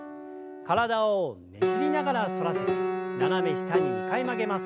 体をねじりながら反らせて斜め下に２回曲げます。